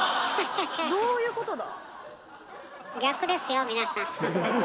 どういうことだ？